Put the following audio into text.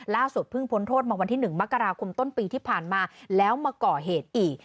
เพิ่งพ้นโทษมาวันที่๑มกราคมต้นปีที่ผ่านมาแล้วมาก่อเหตุอีก